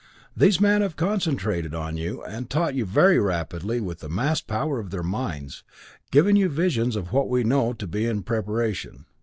These men have concentrated on you and taught you very rapidly with the massed power of their minds, giving you visions of what we know to be in preparation.